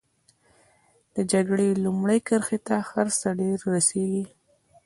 د جګړې لومړۍ کرښې ته هر څه ډېر رسېږي.